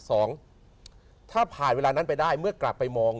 สองถ้าผ่านเวลานั้นไปได้เมื่อกลับไปมอง